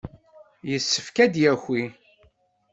Yessefk ad d-yaki.